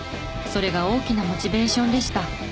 それが大きなモチベーションでした。